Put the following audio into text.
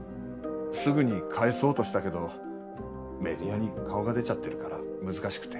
すぐに返そうとしたけどメディアに顔が出ちゃってるから難しくて。